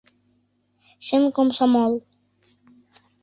Чын комсомол...